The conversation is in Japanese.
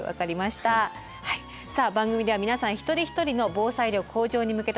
さあ番組では皆さん一人一人の防災力向上に向けた取り組み